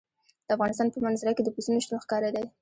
د افغانستان په منظره کې د پسونو شتون ښکاره دی.